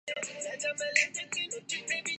عمران خان کا مقدمہ یہ ہے کہ ادارے غیر فعال ہیں۔